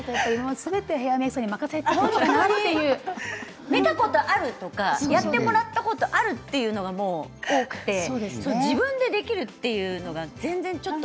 すべてヘアメークさんに見たことあるとかやってもらったことあるというのが多くて自分でできるっていうのが全然ちょっと。